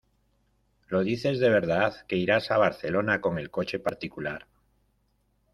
¿Lo dices de verdad que irás a Barcelona con el coche particular?